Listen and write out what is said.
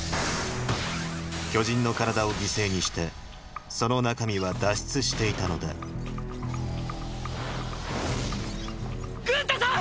巨人の体を犠牲にしてその中身は脱出していたのだグンタさん！！